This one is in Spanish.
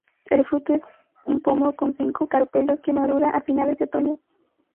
El fruto es un pomo con cinco carpelos, que madura a finales de otoño.